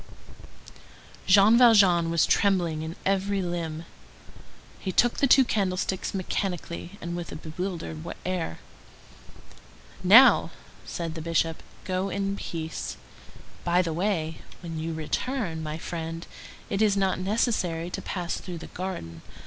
Jean Valjean was trembling in every limb. He took the two candlesticks mechanically, and with a bewildered air. "Now," said the Bishop, "go in peace. By the way, when you return, my friend, it is not necessary to pass through the garden.